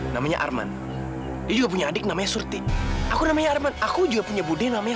sampai jumpa di video selanjutnya